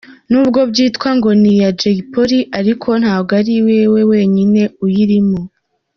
N’ubwo byitwa ngo ni iya Jay Polly ariko ntabwo ari we wenyine uyirimo.